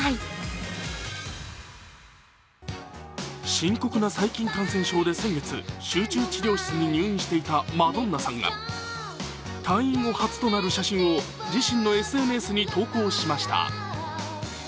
深刻な細菌感染症で先月、集中治療室に入院していたマドンナさんが退院後初となる写真を自身のＳＮＳに投稿しました。